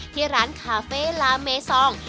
ที่ร้านคาเฟ่ลาเมซอง